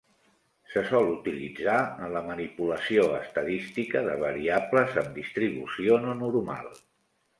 Se sol utilitzar en la manipulació estadística de variables amb distribució no normal.